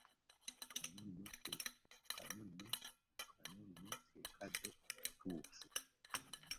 Kano nno ke kadde akatuufu.